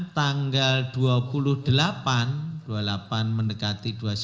tanggal dua puluh delapan dua puluh delapan mendekati dua puluh sembilan